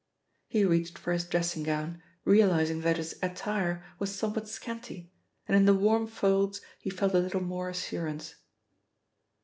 He reached for his dressing gown, realising that his attire was somewhat scanty, and in the warm folds he felt a little more assurance.